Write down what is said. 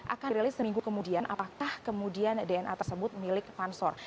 akan dirilis seminggu kemudian apakah kemudian dna tersebut milik pansor